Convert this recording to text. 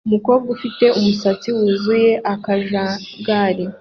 Umukobwa ufite umusatsi wuzuye akajagari